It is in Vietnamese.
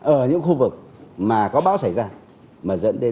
ở những khu vực mà có bão xảy ra mà dẫn đến nguy hiểm